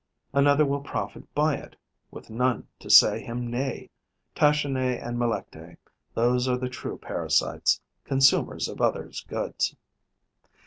Another will profit by it, with none to say him nay. Tachinae and Melectae: those are the true parasites, consumers of others' goods.